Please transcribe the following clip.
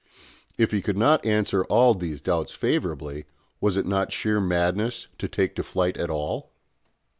If he could not answer all these doubts favourably, was it not sheer madness to take to flight at all?